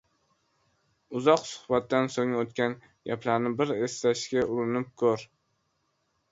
Uzoq suhbatdan so‘ng o‘tgan gaplarni bir eslashga urinib ko‘r